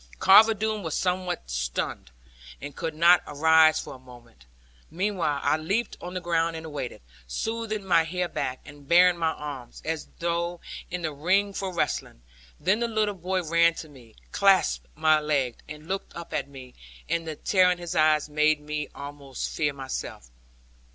Carver Doone was somewhat stunned, and could not arise for a moment. Meanwhile I leaped on the ground and awaited, smoothing my hair back, and baring my arms, as though in the ring for wrestling. Then the little boy ran to me, clasped my leg, and looked up at me, and the terror in his eyes made me almost fear myself.